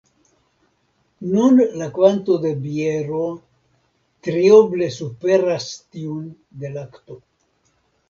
Nun la kvanto de biero trioble superas tiun de lakto.